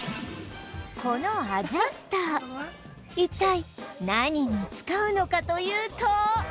このアジャスター一体何に使うのかというと